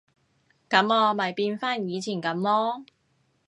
噉我咪變返以前噉囉